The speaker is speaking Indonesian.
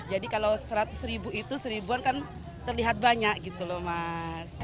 jadi kalau seratus ribu itu seribuan kan terlihat banyak gitu loh mas